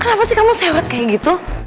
kenapa sih kamu sewat kayak gitu